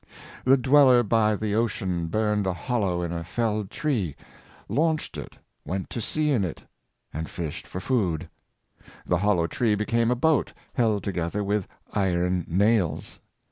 The dweller by the ocean burned a hollow in a felled tree, launched it, went to sea in it, and fished for food. The hollow tree became a boat, held together with iron nails.